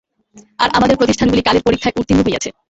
আর আমাদের প্রতিষ্ঠানগুলি কালের পরীক্ষায় উত্তীর্ণ হইয়াছে।